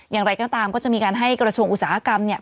อย่างไรก็ตามก็จะมีการให้กระทรวงอุตสาหกรรมเนี่ย